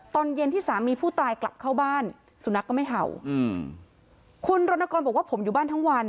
ตอนเย็นที่สามีผู้ตายกลับเข้าบ้านสุนัขก็ไม่เห่าอืมคุณรณกรบอกว่าผมอยู่บ้านทั้งวัน